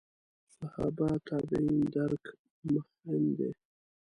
صحابه تابعین درک مهم دي.